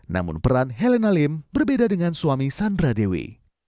namun peran helena lim berbeda dengan suami sandra dewi